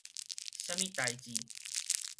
啥物代誌